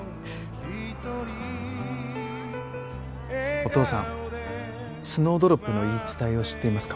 お父さんスノードロップの言い伝えを知っていますか？